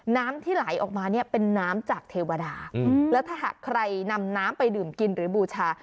น้ำที่ไหลออกมาเนี่ยเป็นน้ำจากเทวดาแล้วถ้าหากใครนำน้ำไปดื่มกินหรือบูชา